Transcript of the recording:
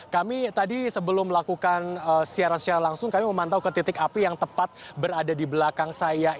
kami tadi sebelum melakukan siaran secara langsung kami memantau ke titik api yang tepat berada di belakang saya ini